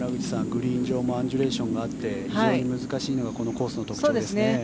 グリーン上もアンジュレーションがあって非常に難しいのがこのコースの特徴ですね。